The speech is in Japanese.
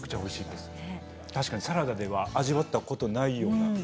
確かにサラダでは味わったことがないような。